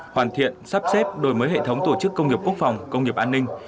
hoàn thiện sắp xếp đổi mới hệ thống tổ chức công nghiệp quốc phòng công nghiệp an ninh